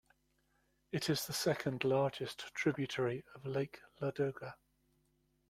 It is the second largest tributary of Lake Ladoga.